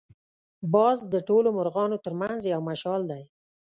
باز د ټولو مرغانو تر منځ یو مشال دی